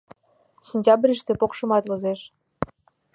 Сентябрьыште покшымат возеш.